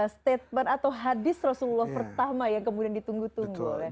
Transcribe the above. statement atau hadis rasulullah pertama yang kemudian ditunggu tunggu oleh